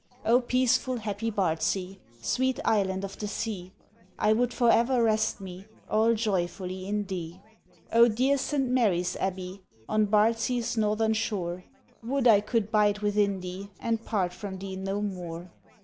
O peaceful, happy Bardsey, Sweet Islet of the Sea! I would for ever rest me, All joyfully in thee! O dear St. Marys Abbey, On Bardsey's northern shore; Would I could bide within thee, And part from thee no more!